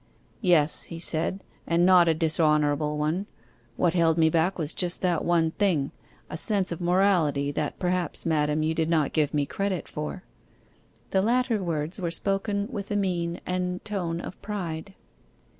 'Yes,' he said; 'and not a dishonourable one. What held me back was just that one thing a sense of morality that perhaps, madam, you did not give me credit for.' The latter words were spoken with a mien and tone of pride.